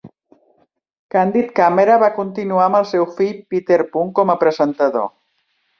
"Candid Camera" va continuar amb el seu fill, Peter Punt, com a presentador.